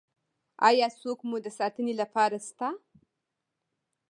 ایا څوک مو د ساتنې لپاره شته؟